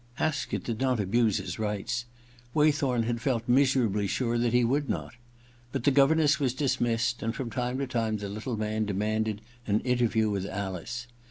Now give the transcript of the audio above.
Haskett did not abuse his rights. Waythorn had felt miserably sure that he would not. But the governess was dismissed, and from time to time the little man demanded an interview with Alice.